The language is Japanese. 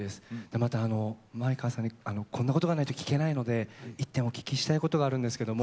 またあの前川さんにこんなことがないと聞けないので一点お聞きしたいことがあるんですけども。